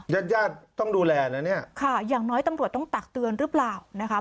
ญาติญาติต้องดูแลนะเนี่ยค่ะอย่างน้อยตำรวจต้องตักเตือนหรือเปล่านะคะ